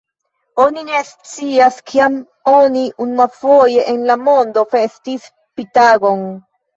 Oni ne scias, kiam oni unuafoje en la mondo festis Pi-tagon.